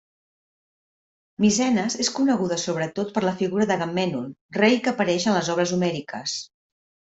Micenes és coneguda sobretot per la figura d'Agamèmnon, rei que apareix en les obres homèriques.